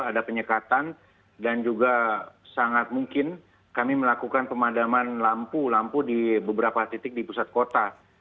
ada penyekatan dan juga sangat mungkin kami melakukan pemadaman lampu lampu di beberapa titik di pusat kota